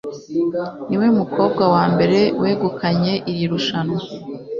Niwe mukobwa wa mbere wegukanye iri rushanwa